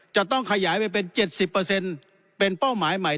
จะต้องขยายไปเป็น๗๐เป็นเป้าหมายใหม่